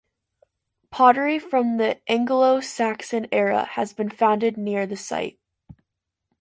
Pottery from the Anglo-Saxon era has also been found near the site.